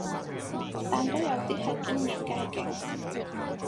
但都有啲係堅影街景